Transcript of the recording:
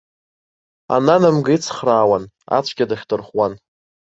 Ананамга ицхраауан, ацәгьа дахьдырхәуан.